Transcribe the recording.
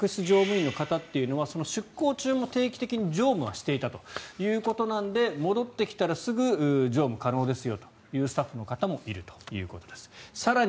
出向していた客室乗務員の方というのは出向中も定期的に乗務はしていたということなので戻ってきたらすぐ常務可能ですよというスタッフの方もいるということです。